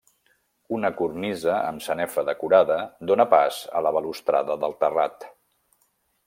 Una cornisa amb sanefa decorada dóna pas a la balustrada del terrat.